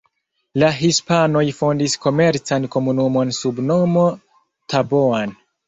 La hispanoj fondis komercan komunumon sub nomo Taboan.